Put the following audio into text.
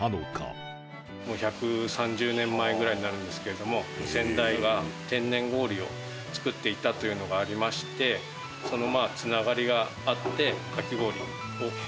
もう１３０年前ぐらいになるんですけれども先代が天然氷を作っていたというのがありましてそのつながりがあってかき氷をやる事にしました。